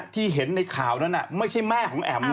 ที่เห็นในข่าวนั้นไม่ใช่แม่ของแอ๋มนะ